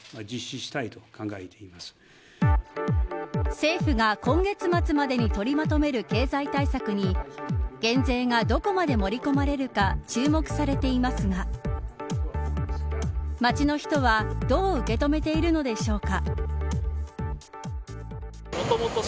政府が今月末までに取りまとめる経済対策に減税がどこまで盛り込まれるか注目されていますが街の人はどう受け止めているのでしょうか。